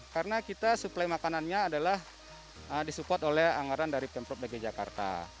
karena kita suplai makanannya adalah disupport oleh anggaran dari pemprov dg jakarta